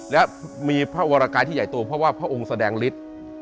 และมีพระวรกายที่ใหญ่โตเพราะว่าพระองค์แสดงฤทธิ์